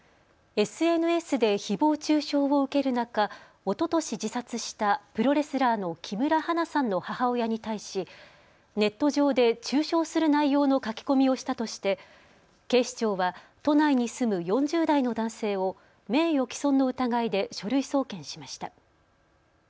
ＳＮＳでひぼう中傷を受ける中、おととし自殺したプロレスラーの木村花さんの母親に対しネット上で中傷する内容の書き込みをしたとして警視庁は都内に住む４０代の男性を名誉毀損の疑いで書類送検しました。